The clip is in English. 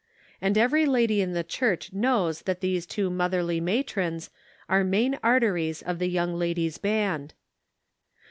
And every lady in the church knows that these two motherly matrons are main arteries of the Young Ladies' Band.